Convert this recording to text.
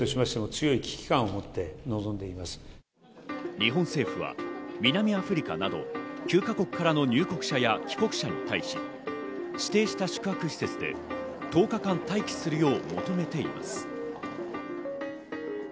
日本政府は南アフリカなど９か国からの入国者や帰国者に対し、指定した宿泊施設で１０日間待機するよう求めています。